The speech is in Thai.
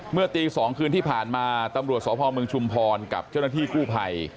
เมื่อตี๒คืนที่ผ่านมาตำรวจสพเมืองชุมพรกับเจ้าหน้าที่กู้ภัย